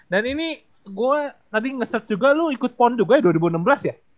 dan ini gue tadi nge search juga lu ikut pon juga ya dua ribu enam belas ya